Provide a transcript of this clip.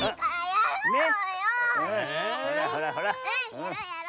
やろうやろう。